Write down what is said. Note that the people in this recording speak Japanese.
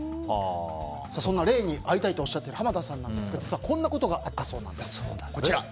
そんな霊に会いたいとおっしゃっている濱田さんなんですがこんなことがあったそうなんです。